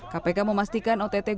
kpk memastikan ott gubernur